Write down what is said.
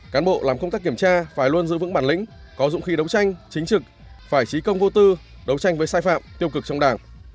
cán bộ làm công tác kiểm tra phải luôn giữ vững bản lĩnh có dụng khí đấu tranh chính trực phải trí công vô tư đấu tranh với sai phạm tiêu cực trong đảng